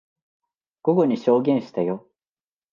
午後に証言したよ。